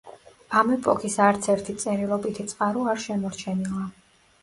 ამ ეპოქის არც ერთი წერილობითი წყარო არ შემორჩენილა.